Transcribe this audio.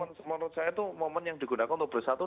menurut saya itu momen yang digunakan untuk bersatu